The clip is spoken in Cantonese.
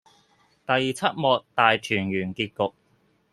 第七幕大團圓結局